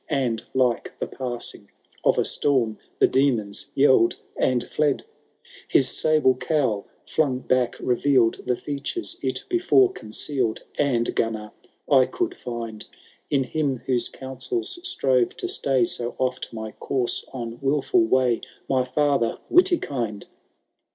And— like the passing of a storm— The demons yelled and fled ! XI. ^ His sable cowl, flung back, revealed The features it before concealed ; And, Gunnar, I could find In him whose counsels strove to stay So oft my course on wilful way. My father Witikind